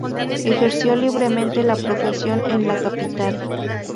Ejerció libremente la profesión en la capital.